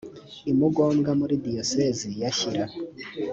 i mugombwa muri diyosezi ya shyira